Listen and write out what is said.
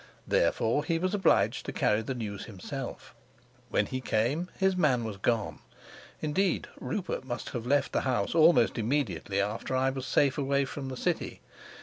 Therefore he was obliged to carry the news himself; when he came his man was gone. Indeed Rupert must have left the house almost immediately after I was safe away from the city.